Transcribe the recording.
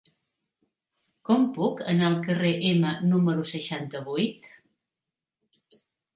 Com puc anar al carrer Ema número seixanta-vuit?